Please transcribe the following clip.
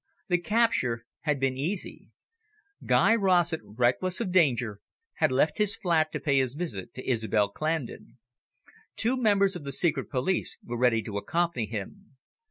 The capture had been easy. Guy Rossett, reckless of danger, had left his flat to pay his visit to Isobel Clandon. Two members of the Secret Police were ready to accompany him.